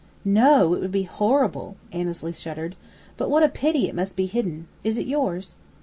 "No, it would be horrible!" Annesley shuddered. "But what a pity it must be hidden. Is it yours?"